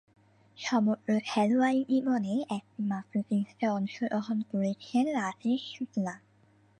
সমগ্র খেলোয়াড়ী জীবনে একটিমাত্র টেস্টে অংশগ্রহণ করেছেন রাকেশ শুক্লা।